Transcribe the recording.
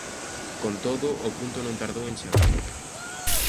Con todo, o punto non tardou en chegar.